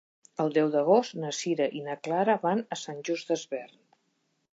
El deu d'agost na Sira i na Clara van a Sant Just Desvern.